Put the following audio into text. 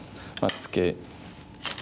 ツケ。